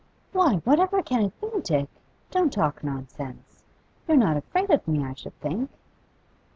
'Why, what ever can it be, Dick? Don't talk nonsense. You're not afraid of me, I should think.